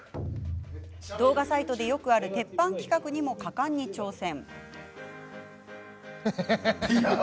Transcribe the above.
動画サイトでよくある鉄板企画も果敢に挑戦。